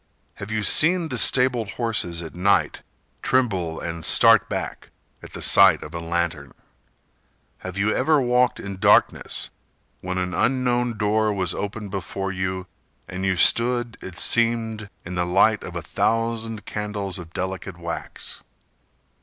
Have you seen the stabled horses at night Tremble and start back at the sight of a lantern? Have you ever walked in darkness When an unknown door was open before you And you stood, it seemed, in the light of a thousand candles Of delicate wax?